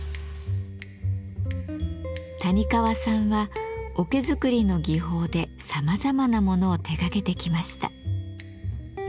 谷川さんは桶作りの技法でさまざまなものを手がけてきました。